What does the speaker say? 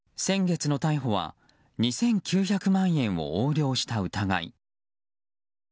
先月の逮捕は２９００万円を横領した疑い。